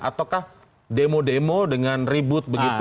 ataukah demo demo dengan ribut begitu